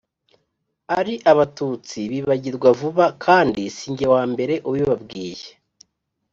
ari abatutsi bibagirwa vuba, kandi si jye wa mbere ubibabwiye,